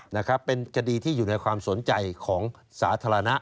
นะครับเป็นคดีที่อยู่ในความสนใจของสาธารณะ